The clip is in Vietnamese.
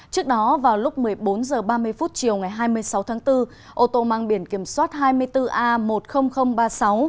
trước đó vào lúc một mươi bốn h ba mươi chiều ngày hai mươi sáu tháng bốn ô tô mang biển kiểm soát hai mươi bốn a một mươi nghìn ba mươi sáu